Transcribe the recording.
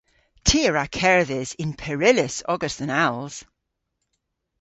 Ty a wra kerdhes yn peryllus ogas dhe'n als.